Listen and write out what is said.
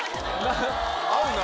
合うな。